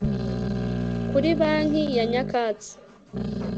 Kuri banki ya nyakatsi